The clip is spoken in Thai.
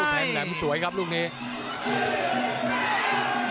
แทงแหลมสวยครับลูกนี้